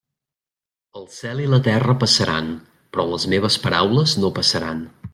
El cel i la terra passaran, però les meves paraules no passaran.